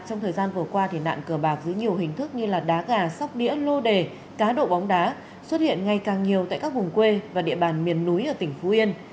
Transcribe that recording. trong thời gian vừa qua nạn cờ bạc dưới nhiều hình thức như đá gà sóc đĩa lô đề cá độ bóng đá xuất hiện ngày càng nhiều tại các vùng quê và địa bàn miền núi ở tỉnh phú yên